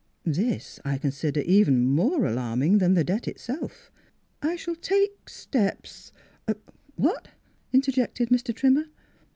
This I consider even more alarming than the debt itself. I shall take steps —"« Er — What? " interjected Mr. Trim mer.